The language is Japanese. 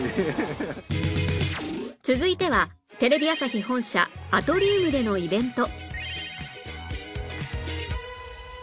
続いてはテレビ朝日本社アトリウムでのイベント